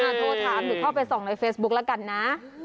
โทรถามหรือเข้าไปส่องในเฟซบุ๊คละกันนะ